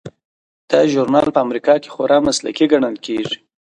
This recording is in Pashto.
دا ژورنال په امریکا کې خورا مسلکي ګڼل کیږي.